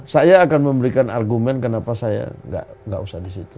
saya akan memberikan argumen kenapa saya nggak usah di situ